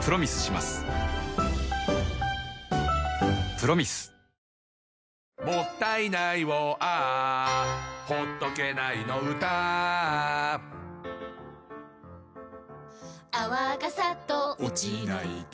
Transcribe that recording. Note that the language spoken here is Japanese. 「アサヒスーパードライ」「もったいないをＡｈ」「ほっとけないの唄Ａｈ」「泡がサッと落ちないと」